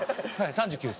３９歳？